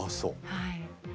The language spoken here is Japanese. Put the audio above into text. はい。